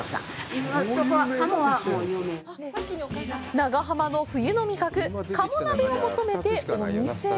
長浜の冬の味覚、鴨鍋を求めてお店へ。